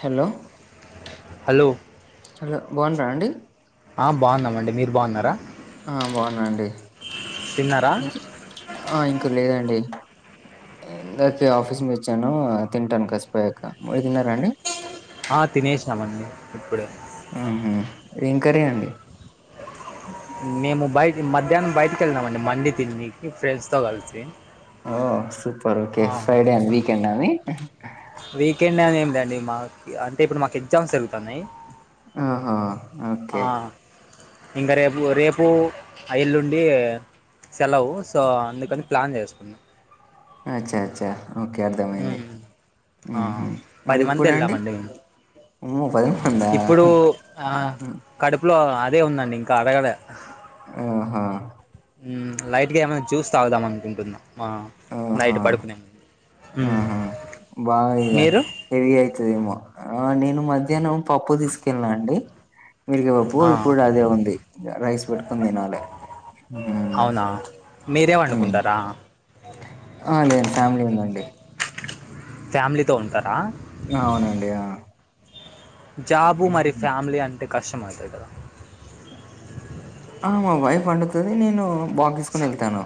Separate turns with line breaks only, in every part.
Hello
hello
hello బాగుండ్రా అండి
ఆ బాగున్నామండి మీరు బాగున్నారా
ఆ బాగున్నానండి
తిన్నారా
ఆ ఇంక లేదండి ఇందాకే ఆఫీస్ నుండి వచ్చాను తింటాను కాసేపయ్యాక మీరు తిన్నారాండి
ఆ తినేసినమండి ఇప్పుడే
ఊహు ఏం కర్రి అండి
మేము బయట మధ్యాహ్నం బయటకి వెళ్ళనామండి మండి తిననికి ఫ్రెండ్స్
ఓ సూపర్ ఓకే
ఆ,
ఫ్రైడే అని వీకెండ అండి
వీకెండ్ అని ఏం లేండి మా అంటే ఇప్పుడు మాకు ఎగ్జామ్స్ జరుగుతన్నాయి
ఆహా ఓకే
ఇంకా రేపు రేపు ఎల్లుండి సెలవు సో అందుకని ప్లాన్ చేసుకున్నా
అచ్చా అచ్చా ఓకే అర్థమైంది
ఉమ్. ఆ,
ఊహు మరి
పది మంది
ఇప్పుడు అండి
వెళ్ళామండి మేము
అమ్మో పదిమందా
ఇప్పుడు ఆ, కడుపులో అదే ఉందండి ఇంకా అరగలే
ఆహా
లైట్గా ఏమైనా జ్యూస్ తాగుదాం అనుకుంటున్నా నైట్
ఆహా.
పడుకునేడే ముందు
ఆహా బాగా ఇగ
మీరు
హెవీ అయితదేమో ఆ నేను మధ్యాహ్నం పప్పు తీసుకెళ్ళిన అండి మీగీతా పప్పు
ఆ
ఇప్పుడు అదే ఉంది రైస్ పెట్టుకుని తినాలే
అవునా మీరే వండుకుంటరా
ఆ లేదండి ఫ్యామిలీ ఉందండి
ఫ్యామిలీతో ఉంటరా
ఆ, అవునండి ఆ
జాబు మరి
ఉమ్.
ఫ్యామిలీ అంటే కష్టం అయితది కదా
ఆ మా వైఫ్ వండుతది నేను బాక్స్ తీసుకుని వెళ్తాను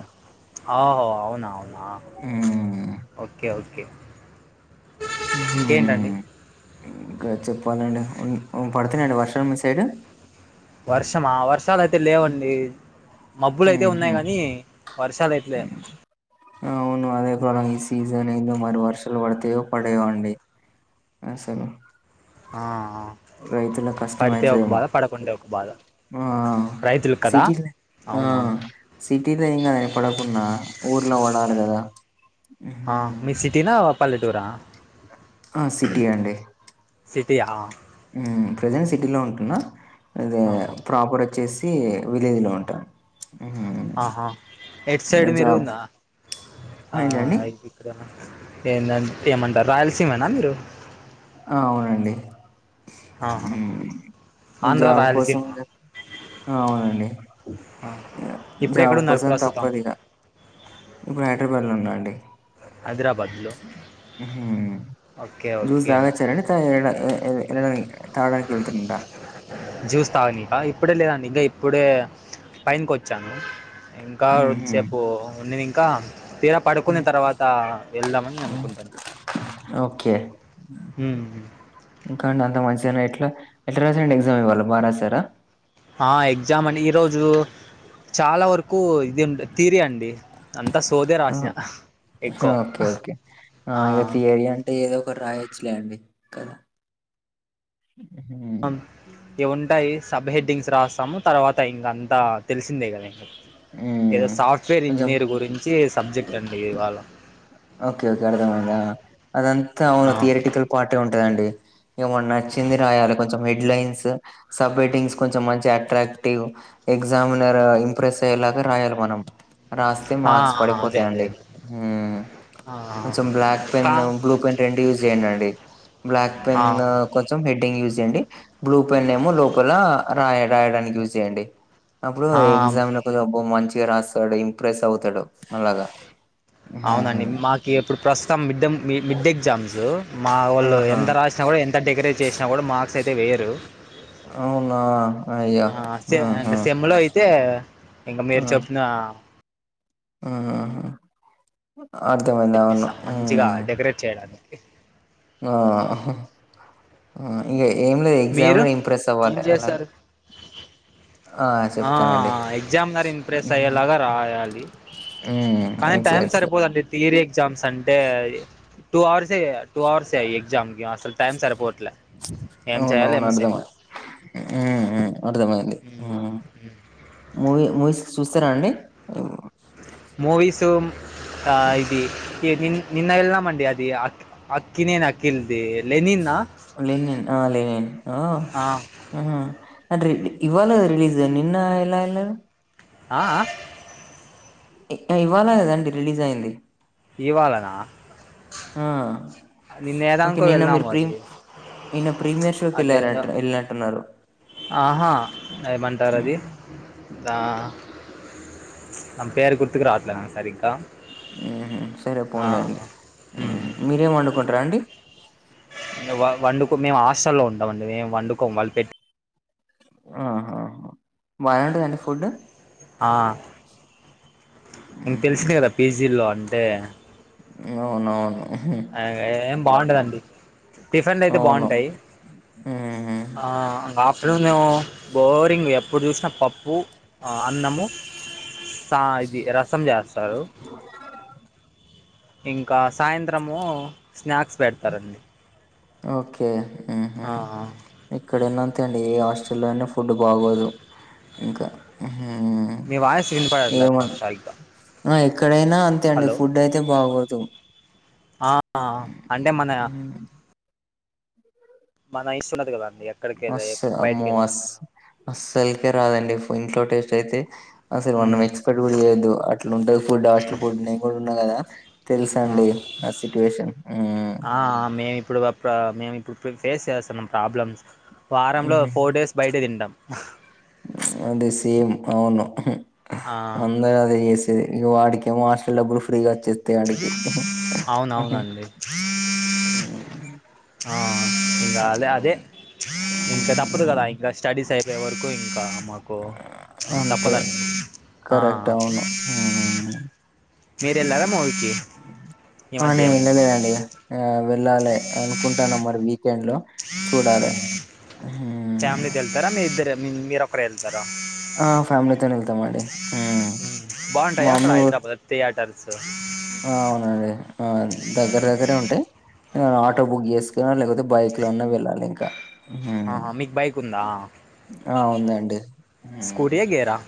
అహో అవునా అవునా
ఉమ్.
ఓకే ఓకే ఇంకేంటండి
హ్మ్ ఇంకా చెప్పాలండి పడుతున్నయండి వర్షాలు మీ సైడు
వర్షమా వర్షాలు అయితే లేవండి మబ్బులయితే ఉన్నాయి
ఉహుం.
కానీ వర్షాలు అయితే లే
అవును అదే ప్రాబ్లమ్ ఈ సీజన్ ఏందో మరి వర్షాలు పడతయో పడయో అండి అసలు
ఆ ఆ
రైతులకి కష్టంమైతదేమో
ఒక బాధ
ఆ
రైతులు కదా
సిటీలనే ఆ
అవునవును
సిటీలో ఏం కాదాయే పడకున్న ఊర్ల పడాలె కదా మ్మ్.
మీది సిటీనా పల్లెటూరా
ఆ సిటీ
సిటీయా
ఉమ్ ప్రెజెంట్ సిటీలో ఉంటున్న ఇది
ఆ
ప్రాపర్ వచ్చేసి విలేజీలో ఉంటాను
ఆహా ఎటు సైడ్
జాబ్
మీరుంద ఆ
ఏంటండి
అయి ఏందంట్ ఏమంటరు రాయలసీమేనా మీరు
ఆ అవునండి
ఆహా
ఉమ్ ఈ
ఆంధ్ర
జాబ్
రాయలసీమ
కోసం ఇంగ అవునండి
ఇప్పుడు
జాబ్
ఎక్కడున్నారు
కోసం
ప్రస్తుతం
తప్పదు ఇగ ఇప్పుడు హైదరాబాద్లో ఉన్నా అండి
హైదరాబాద్లో ఓకే ఓకే
తాగొచ్చారా అండి తాగి ఏ ఏ తాగడానికెళ్తుండా
జ్యూస్ తాగనికా ఇప్పుడే లేదండి ఇంకా ఇప్పుడే పైనకి వచ్చాను ఇంకా
ఉహు
కొంతసేపు ఉండేది ఇంకా తీర పడుకున్న తర్వాత వెళ్దామని అనుకుంటున్న
ఓకే ఇంకా అండి అంత మంచిగనే ఎట్ల ఎట్ల రాసారండి ఎగ్జామ్ ఇవాళ బాగా రాసారా
ఆ ఎగ్జామ్ అండి ఈరోజు చాలా వరకు ఇది తీరి అండి అంత సోదే రాసా ఎక్కువ
ఓకే ఓకే
ఆ
ఇగ థియరీ అంటే ఏదో ఒకటి రాయొచ్చులే అండి కదా
ఉంటాయి సబ్ హెడ్డింగ్స్ రాస్తాము తర్వాత ఇంక అంతా తెలిసిందే కదా ఇంగ ఏదో
ఉమ్,
సాఫ్ట్వేర్
కొంచెం
ఇంజనీర్ గురించి సబ్జెక్ట్ అండి ఇవాళ
ఓకే ఓకే అర్థమైంది అదంతా అవును
ఆ
థియరిటికల్ పార్టే ఉంటదండి ఇగ మనకు నచ్చింది రాయాలి కొంచెం హెడ్లైన్స్ సబ్ హెడ్డింగ్స్ కొంచెం మంచిగ అట్రాక్టివ్ ఎగ్జామినర్ ఇంప్రెస్ అయ్యేలాగా రాయాలి మనం రాస్తే
ఆ
మార్క్స్
ఆ, అదే అదే
పడిపోతయండి
అదే
ఉమ్
ఆ
కొంచెం బ్లాక్ పెన్
కా
బ్లూ పెన్ రెండు యూజ్ చేయండండి బ్లాక్
ఆ
పెన్ కొంచెం హెడ్డింగ్ యూజ్ చేయండి బ్లూ పెన్ ఏమో లోపల రా రాయడానికి యూజ్ చేయండి అప్పుడు
ఆ
ఎగ్జామినర్ అబ్బో మంచిగ రాసాడు ఇంప్రెస్ అవుతాడు అలాగా
అవునండి
ఉమ్,
మాకు ఇప్పుడు ప్రస్తుతం మిడ్డ మిడ్ ఎగ్జామ్స్ మా వాళ్ళు
ఆహా
ఎంత రాసిన కూడా ఎంత డెకరేట్ చేసినా కూడా మార్క్స్ అయితే వేయరు
అవునా అయ్యో!
ఆ సే
ఆహా!
అంటే సెమ్లో అయితే ఇంగ మీరు చెప్పిన
ఉ అర్థమైంది అవును
ఇస్తాం
ఉమ్
మంచిగా డెకరేట్ చేయడానికి
ఆ ఇక ఏం లేదు
మీరు
ఎగ్జామినర్ ఇంప్రెస్
ఏం
అవ్వాలి అలాగ
చేస్తారు ఆ ఆ ఆ ఎగ్జామినర్ ఇంప్రెస్
హ్మ్.
అయ్యేలాగా రాయాలి
హ్మ్.
కానీ టైం
ఎగ్జాక్ట్‌లీ.
సరిపోదండి థియరీ ఎగ్జామ్స్ అంటే టూ అవర్సే టూ అవర్సే ఎగ్జామ్కి అసలు టైం సరిపోవట్లే ఏం చేయాలో ఏమో సెమ్ములో
ఉ ఉ అర్థమైంది మూవీ మూవీస్ చూస్తారా అండి హ్మ్.
మూవీస్ ఆ ఇది [unintelligible] నిన్న ఎల్నా మండి అది అ అక్కినేన్ అకిిల్ది లెనిన
లెనిన్ ఆ లెనిన్ ఆ ఆ అ ఇవ్వాల రిలీజ్ నిన్న ఎలా ఎల్లవ్
ఆ ఆ
ఇవ్వాల కదండి రిలీజ్ అయ్యింది
ఇవాళన
ఆ
నిన్న
ఓకే
ఏదానీకో
నిన్న మీరు
వెళ్ళాము
ప్రీ
అది
నిన్న ప్రీమియర్ షోకి
అది ఎందో
[unintelligible] ఎల్నటున్నారు
ఆహా ఏమంటారు అది ఆ పేరు గుర్తుకు రాట్లే సరిగ్గ
సరే పోన్లేండి మీరేం వండుకుంటరు అండి
వండుకో మేము హస్టల్లో ఉంటామండి మేము వండుకోం వాళ్ళు పె
ఆహాహా బానే ఉంటదాండి ఫుడ్
ఆ ఇంగ తెల్సిందెగ పీజీల్లో అంటే
అవునవును ఉహు,
అ గదే ఏం బాగుండదండి టిఫిన్లు అయితే
అవును
బాగుంటాయ్
ఉహు
ఆఫ్టర్నూన్ ఏమో బోరింగ్ ఎ ఎప్పుడు చూస్న పప్పు అన్నము సా ఇది రసం జేస్తారు ఇంకా సాయంత్రమూ స్నాక్స్ పెడ్తరండి
ఓకే ఉహు
ఆ
ఎక్కడైనా అంతే ఆండీ ఏ హాస్టల్లోన్న ఫుడ్ బాగోదు ఇంకా హు
నీ వాయిస్ ఇన్పడలే బ్రో సరిగ్గ
ఆ ఎక్కడైన అంతే అండి ఫుడ్ అయితే బాగోదు
ఆ అంటే మన
ఉహు.
మన [unintelligible]
మస్స్
బయటికి
అమ్మో అస్
వెళ్ళినాక
అస్సల్కే రాదండి ఫు ఇంట్లో టేస్టైతే అస్సలు మనం
ఉమ్
ఎ క్సపెక్ట్ చెయొద్దు అట్లుంటది ఫుడ్ హాస్టల్ ఫుడ్ నేను గూడ ఉన్నా కదా
ఆ
తెల్సండి నా సిట్యువేషన్
ఆమే ఇప్పుడు వ ప్పా మేమిప్పుడు ఫేస్ చేస్సున్నాం ప్రాబ్లమ్స్ వారంలో ఫోర్ డేస్ బయటే తింటాం
అదే సేమ్ అవును ఉహు
ఆ
అందరదే జేస్ ది వాడ్కేమో హాస్టల్ డబ్బులు ఫ్రీగ వచ్చే
అవునవునండి
[unintelligible]
ఆ ఇంగ అదే అదే ఇంక తప్పదు గదా ఇంకా స్టడీస్
హ్మ్.
అయిపోయే వర్కూ ఇంకా మాకు
అంతే
తప్పదండి ఆ
కరెక్ట్ ఔను
మీరు వెళ్ళారా మూవీకి ఈ
ఆ
మధ్య
నేనే
ఏమైనా
నేనేనండి ఆ వెళ్ళాలె అనుకుంటాన్న మరి వీకెండ్ లో చూడాలె
ఉమ్. ఫ్యామిలీతో ఎళ్తార మీ ఇద్దరే మీ మీరొక్కరే ఎళ్తార
ఆ ఫ్యామిలీతోనే ఎల్తామండి ఉ మమ్మి ఊ
తియాటర్స్
ఆ ఔనండి ఆ దగ్గర దగ్గరే ఉంటయి. హా ఆటో బుక్ చేస్కోనో లేకపోతే బైక్లోన్నా వెళ్ళాలి ఇంకా. ఉమ్.
ఆహా మీకు బైకుందా?
ఆ ఉందండి. ఉమ్.
స్కూటీయా, గేరా?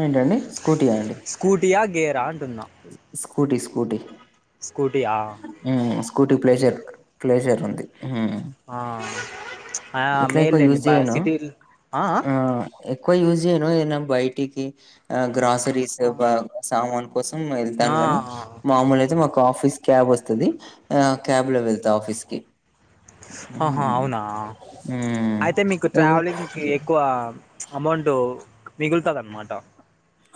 ఏంటండి స్కూటీయాండి?
స్కూటీయా, గేరా అంటున్నా.
Scooty, scooty.
స్కూటీయా?
ఉ స్కూటీ
ఓకే
ప్లేజర్ ప్లేజర్ ఉంది హు.
ఆ ఆ మేల్లేండి
యూజ్
బ
చేయను.
సిటీ ఆ ఆ
ఎక్కువ యూజ్ చేయను ఏదన్నా బైటికి ఆ గ్రాసరీస్, బా సామాను కోసం ఎళ్తాను గాని మామూలైతే మాకు ఆఫీస్ క్యాబ్ వస్తది. ఆ క్యాబ్లో వెళ్తా ఆఫీస్ కి.
ఆహా అవునా అయితే మీకు ట్రావెలింగ్ కి
హ్మ్.
ఎక్కువ అమౌంట్ మిగులుతది అన్నమాట.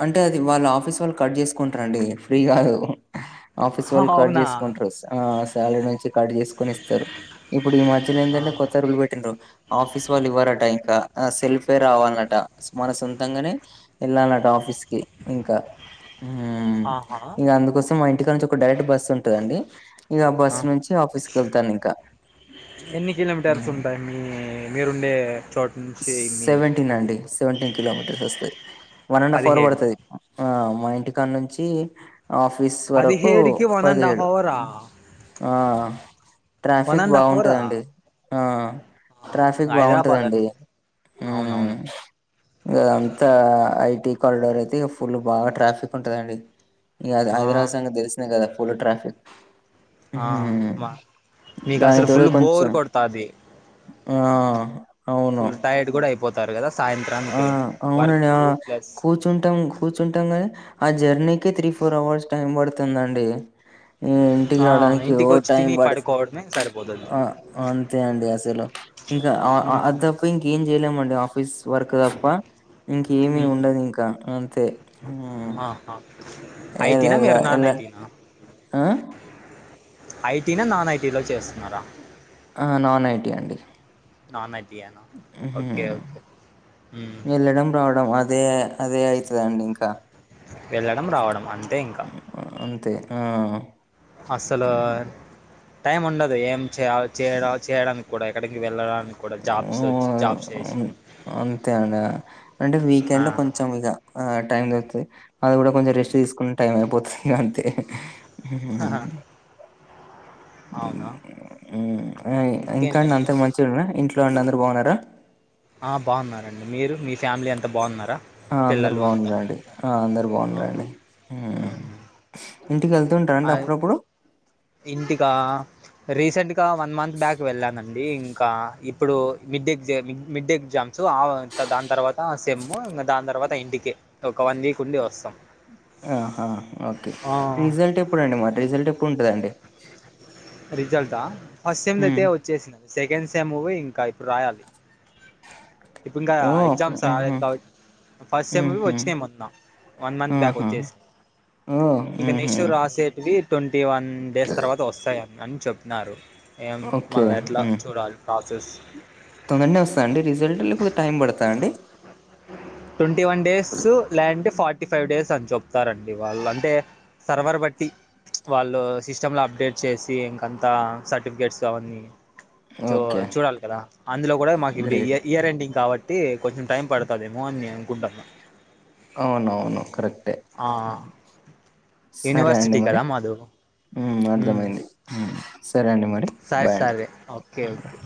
అంటే అది వాళ్ళ ఆఫీస్ వాళ్ళు కట్ చేసుకుంటరండి ఫ్రీ కాదు. ఆఫీస్ వాళ్ళు కట్
అవునా
చేసుకుంటరు. ఆ సాలరీ నుంచి కట్ చేసుకొని ఇస్తరు. ఇప్పుడు ఈ మధ్యలో ఏందంటే కొత్త రూల్ పెట్టిర్రు. ఆఫీస్ వాళ్ళు ఇవ్వరట ఇంకా సెల్ఫే రావాల్నట మన సొంతంగనే ఎళ్ళాల్నట ఆఫీ ఫీస్కి ఇంకా
ఆహా,
ఇంగ అందుకోస మ్ మా ఇంటికానుంచి ఒక డైరెక్ట్ బస్ ఉంటదండి. ఇగా ఆ
ఆహా,
బస్స్ నుంచి ఆఫీస్కి వెళ్తాను ఇంకా.
ఎన్ని కిలోమీటర్స్ ఉంటాయి మీ మీరుండే చో
సెవెంటీన్ అండి seventeen kilometres one and half hour
పదిహేడు
పడుతది. ఆ మా ఇంటికానుంచి ఆఫీస్ వరకు
పదిహేడుకి వన్ అండ్ హాఫ్
పదిహేడు
అవరా
ఆ
వన్
ట్రాఫిక్
అండ్
బావుంటదండి ఆ
ఆ
ట్రాఫిక్
హైదరాబాద్ అను
బాగుంటదండి
అవును
మ్మ్
అవును.
ఇగ అంతా ఐటి కారిడార్ అయితే ఇగా ఫుల్ బాగా ట్రాఫిక్ ఉంటదండి. ఇగా
ఆ
హైదరాబాద్ సంగతి తెలిసిందే కదా ఫుల్ ట్రాఫిక్.
ఆ
ఉమ్
మా నీకు
దానికి
అసలు
తోడు
ఫుల్ బోర్
కొంచెం
కొడతాది.
ఆ
ఫుల్
అవును
టైడ్ కూడా అయిపోతారు కదా సాయంత్రానికి వర్క్ ప్లస్
చుంటం కూర్చుంటం కానీ ఆ జర్నీకే త్రీ ఫోర్ అవర్స్ టైం పడుతుందండి. హ్ ఇంటికి
ఆ
రావడానికి ఓ
ఇంటికి వచ్చి
టైం
తిని
పడుతది
పడుకోవడమే సరిపోతుంది
ఆ అంతే అండి అసలు. ఇంకా ఆ ఆ అది
ఉమ్,
తప్ప ఇంకేం చేయలేమండి ఆఫీస్ వర్క్ తప్ప ఇంకేమి
ఉమ్, ఉమ్.
ఉండదు ఇంకా అంతే
ఐటి
ఎల్
నా
ఎల్ల
మీరు నాన్
ఎల్ల
ఐటీ నా.
ఆ?
ఐటీనా, నాన్ ఐటీ లో చేస్తున్నారా?
ఆ నాన్ ఐటీ అండి.
నాన్ ఐటియేనా.
ఉహ్
మ్మ్.
వెళ్లడం, రావడం అదే. అదే అయితదండి ఇంకా.
ఏళ్ళడం రావడం అంతే ఇంకా
అంతే ఆ
అసలు టైం ఉండదు ఏం చేయ చేయడ చేయడానికి కూడా ఎక్కడికి వెళ్ళడాని
ఉ అంతే అనా అంటే
ఆ.
వీకెండ్ కొంచెం ఇగా ఆ టైమ్ దొరుతది అది కూడా కొంచెం రెస్ట్ తీసుకున్న టైం అయిపోతది ఇగా అంతే ఉహు హు
అవునా
ఉ ఇంకా అన్న
ఇంకేంటండి
అంత మంచిగురా ఇంట్లో అన్న అందరు బాగున్నారా
ఆ బాన్నారండి మీరు మీ ఫ్యామిలీ అంతా బావున్నారా
ఆ అందరు బావున్నారండి ఆ అందరు
ఆహా.
బావున్నారండి
మ్మ్.
ఇంటికి వెళ్తూ ఉంటరా అండి
ఆ,
అప్పుడప్పుడు
ఇంటికా రీసెంట్గా వన్ మంత్ బ్యాక్ వెళ్ళానండి ఇంకా ఇప్పుడు మిడ్ ఎగజామ్ మిడ్డే ఎగ్జామ్ సోం ఆ దాని తర్వాత సెమ్ ఇగా దాని తర్వాత ఇంటికి ఒక వన్ వీక్ ఉండి వస్తా
ఆహా ఓకే రిజల్ట్ ఎప్పుడండి మరి రిజల్ట్ ఎప్పుడుంటదండి
రిజల్ట్ ఆ ఫస్ట్ సెమ్ దయితే వచ్చేసింది సెకండ్ సెమ్ ఇంకా ఇప్పుడు రాయాలి ఇప్పు ఇంకా
ఓ అప్పుడు
ఎగజామ్స్ ఆ
ఆహా
ఫస్ట్ సెమ్ వచ్చినయి మొత్తం వన్ మంత్ బ్యాక్
ఆహా
వచ్చేసి
ఓ
ఇంక నెస్ట్
ఉహు
రాసేటివి ట్వంటీ వన్ డేస్ తర్వాత వస్తాయని అని చెప్పినారు ఏం
ఓకే
మల్ల ఎట్లా
హ్మ్.
చూడాలి కాసెస్
తొందరనే వస్తంద అండి రిజల్ట్ లేకపోతే టైం పడతాద అండి
ట్వంటీ వన్ డేస్ లేదంటే ఫార్టీ ఫైవ్ డేస్ అని చెప్తారండి వాళ్ళు అంటే సర్వర్ బట్టి వాళ్ళు సిస్టమ్ లో అప్డేట్ చేసి ఇంక అంత సర్టిఫికేట్స్ క చో
ఓకే.
చూడాలి కదా అందులో కూడా మాకు ఇప్పుడు ఇ
గ్రేట్.
ఇయర్ ఎండింగ్ కాబట్టి అంటే కొంచెం టైం పడుతదేమో అని అనుకుంటా
అవునవును కరెక్టే సరే అండి
యూనివర్సిటీ
మరి
కదా మాదు
ఉమ్
మ్మ్.
అర్థమైంది ఉం సరే అండి మరి
సరే
బాయ్ అండి
సరే ఓకే ఓకే